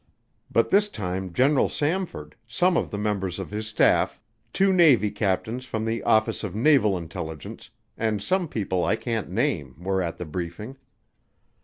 But this time General Samford, some of the members of his staff, two Navy captains from the Office of Naval Intelligence, and some people I can't name were at the briefing.